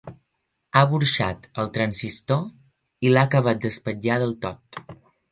Ha burxat el transistor i l'ha acabat d'espatllar del tot.